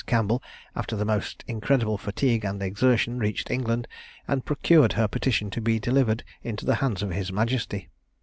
Campbell, after the most incredible fatigue and exertion, reached England, and procured her petition to be delivered into the hands of his majesty.